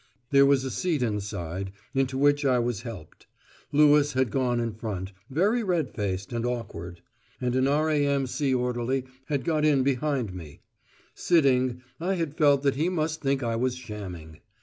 There was a seat inside, into which I was helped. Lewis had gone in front, very red faced and awkward. And an R.A.M.C. orderly had got in behind with me. Sitting, I had felt that he must think I was shamming!